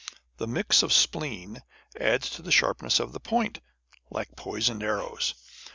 The mixture of spleen adds to the sharpness of the point, like poisoned arrows.